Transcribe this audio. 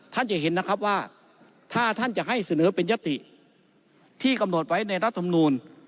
ท่านจะเห็นนะครับว่าถ้าท่านจะให้เสนอเป็นยติที่กำหนดไว้ในรัฐมนูล